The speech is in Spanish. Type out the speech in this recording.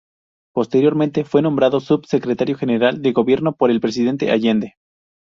Posteriormente fue nombrado subsecretario General de Gobierno por el presidente Allende.